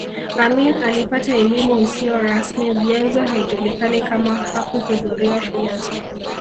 Amin alipata elimu isiyo rasmi vyanzo haijulikani kama hakuhudhuria shule